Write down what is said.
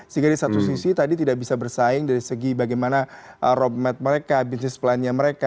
sehingga di satu sisi tadi tidak bisa bersaing dari segi bagaimana roadmap mereka bisnis plan nya mereka